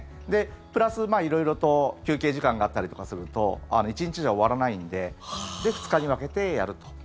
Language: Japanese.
プラス色々と休憩時間があったりとかすると１日では終わらないので２日に分けてやると。